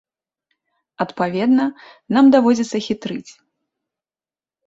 Адпаведна, нам даводзіцца хітрыць.